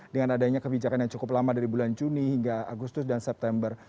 dengan adanya kebijakan yang cukup lama dari bulan juni hingga agustus dan september